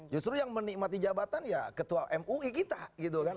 justru yang menikmati jabatan ya ketua mui kita gitu kan